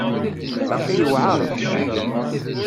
Baqi yewεer.